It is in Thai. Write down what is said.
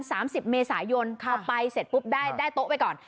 สามสิบเมษายนพอไปเสร็จปุ๊บได้ได้โต๊ะไปก่อน